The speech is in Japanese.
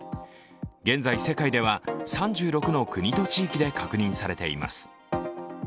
現在、世界では３６の国と地域で確認されています。